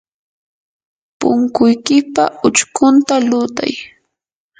punkuykipa uchkunta lutay.